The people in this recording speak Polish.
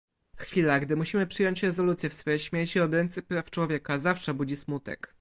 Chwila, gdy musimy przyjąć rezolucję w sprawie śmierci obrońcy praw człowieka, zawsze budzi smutek